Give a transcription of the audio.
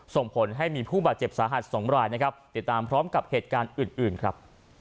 ส่งผลให้มีผู้บาดเจ็บสาหัส๒รายนะครับติดตามพร้อมกับเหตุการณ์อื่นครับ